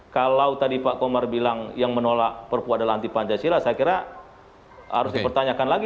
kalau tadi pak komar bilang yang menolak perpu adalah anti pancasila saya kira harus dipertanyakan lagi